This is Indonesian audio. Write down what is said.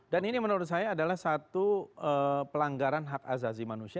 dan ini menurut saya adalah satu pelanggaran hak azazi manusia